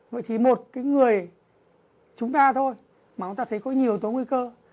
vậy thì một người chúng ta thôi mà chúng ta thấy có nhiều tố nguy cơ